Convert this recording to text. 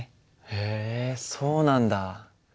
へえそうなんだ。